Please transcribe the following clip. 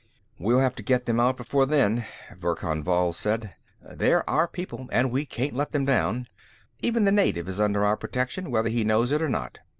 "We'll have to get them out before then," Verkan Vall stated. "They're our people, and we can't let them down; even the native is under our protection, whether he knows it or not.